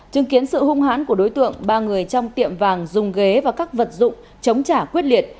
chứng kiến sự hung hãn của đối tượng ba người trong tiệm vàng dùng ghế và các vật dụng chống trả quyết liệt